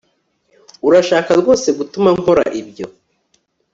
Urashaka rwose gutuma nkora ibyo